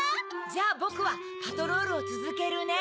じゃあボクはパトロールをつづけるね。